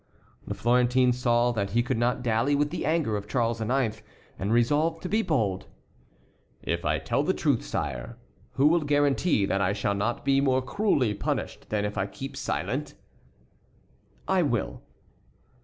The Florentine saw that he could not dally with the anger of Charles IX., and resolved to be bold. "If I tell the truth, sire, who will guarantee that I shall not be more cruelly punished than if I keep silent?" "I will."